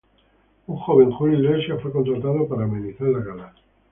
Un joven Julio Iglesias fue contratado para amenizar la gala.